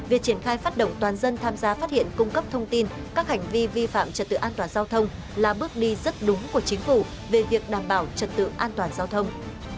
việc triển khai phát động toàn dân tham gia phát hiện cung cấp thông tin các hành vi vi phạm trật tự an toàn giao thông là bước đi rất đúng của chính phủ về việc đảm bảo trật tự an toàn giao thông